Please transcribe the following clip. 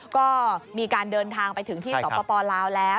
ก็มีการเดินทางไปถึงที่สปลาวแล้ว